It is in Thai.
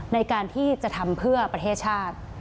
ในการที่จะทำเพื่อประเทศชาติ